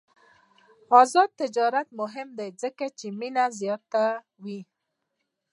آزاد تجارت مهم دی ځکه چې مینه زیاتوي.